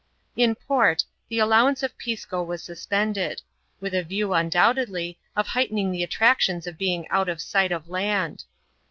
In port, the allowance of Pisco was suspended ; with a view, undoubtedly, of heightening the attractions of being out of flight of land.